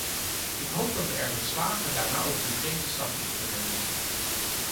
Ik hoop dat we erin slagen daarna ook concrete stappen te ondernemen.